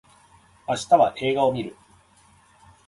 明日は映画を見る